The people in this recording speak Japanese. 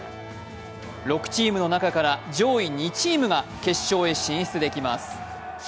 ６チームの中から上位２チームが決勝へ進出できます。